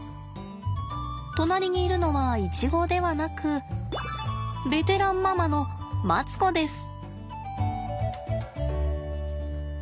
隣にいるのはイチゴではなくベテランママのマツコです。